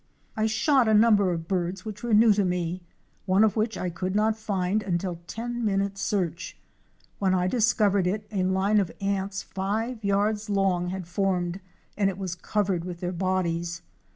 I shot a number of birds which were new to me, one of which I could not find until after ten minutes' search. When I discovered it, a line of ants five yards long had formed and it was covered with their bodies.